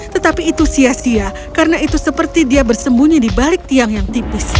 tetapi itu sia sia karena itu seperti dia bersembunyi di balik tiang yang tipis